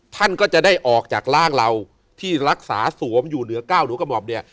ท่านก็จะได้ออกจากร่างเราที่รักษาสวมอยู่เหนือก้าวหรือกระหม่อมเนี่ย